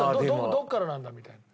どこからなんだ？みたいな。